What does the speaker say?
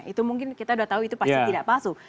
itu mungkin kita sudah tahu itu pasti tidak palsu